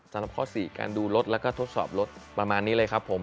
สำหรับข้อ๔การดูรถแล้วก็ทดสอบรถประมาณนี้เลยครับผม